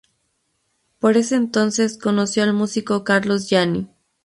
Por ese entonces conoció al músico Carlos Gianni.